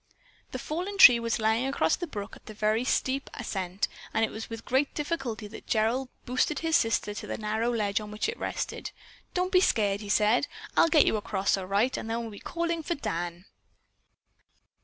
The fallen tree was lying across the brook at a very steep ascent and it was with great difficulty that Gerald boosted his sister to the narrow ledge on which it rested. "Don't be scared," he said. "I'll get you across all right and then we'll begin calling for Dan."